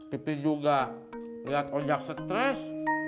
pepe juga liat ojak stres